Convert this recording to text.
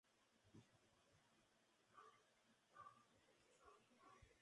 La imagen de este santo se encuentra en la iglesia parroquial del concejo.